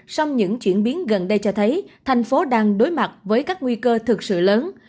song những chuyển biến gần đây cho thấy thành phố đang đối mặt với các nguy cơ thực sự lớn